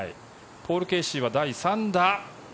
ポール・ケーシーは第３打。